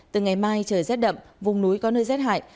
từ ngày mai trời rét đậm vùng núi có nơi rét hại